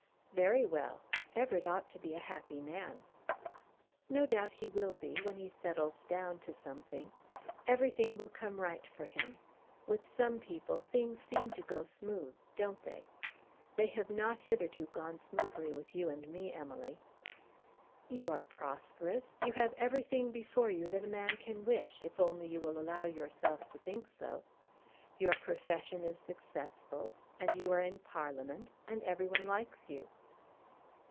"Very well. Everett ought to be a happy man." "No doubt he will be, when he settles down to something. Everything will come right for him. With some people things seem to go smooth; don't they? They have not hitherto gone smoothly with you and me, Emily." "You are prosperous. You have everything before you that a man can wish, if only you will allow yourself to think so. Your profession is successful, and you are in Parliament, and everyone likes you."